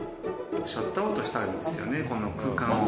シャットアウトしたいんですよね、空間を。